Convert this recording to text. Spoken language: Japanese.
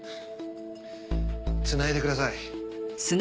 つないでください。